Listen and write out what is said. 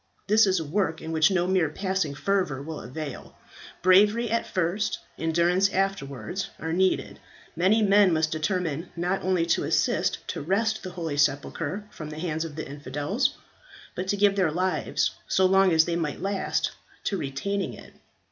This is a work in which no mere passing fervour will avail; bravery at first, endurance afterwards, are needed. Many men must determine not only to assist to wrest the holy sepulchre from the hands of the infidels, but to give their lives, so long as they might last, to retaining it.